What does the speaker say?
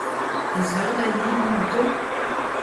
Pe zeur da enebiñ outo ?